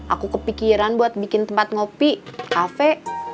aku kepikiran buat bikin tempat ngopi kafe